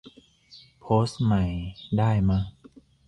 โพสต์ใหม่ได้มะ